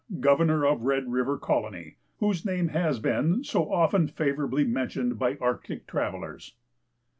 Governor of Red River Colony, whose name has been so often favourably mentioned by Arctic travellers.